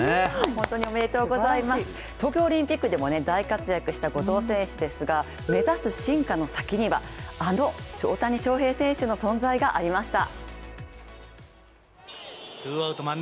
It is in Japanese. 本当におめでとうございます東京オリンピックでも大活躍した後藤選手ですが、目指す進化の先にはあの大谷翔平選手の存在がありました。